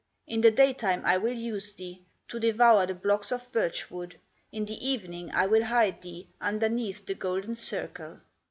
In the day time I will use thee To devour the blocks of birch wood; In the evening I will hide thee Underneath the golden circle."